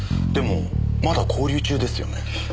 でもまだ拘留中ですよね。